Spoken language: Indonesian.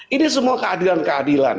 ini semua keadilan keadilan